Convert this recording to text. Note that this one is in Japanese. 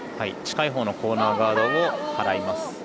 近いほうのコーナーガードを払います。